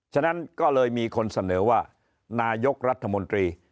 ฉะนั้นก็เลยมีคนเสนอว่านายกรัฐมนตรี